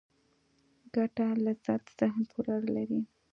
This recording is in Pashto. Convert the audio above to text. ګټه لذت ذهن پورې اړه لري.